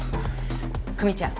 久実ちゃん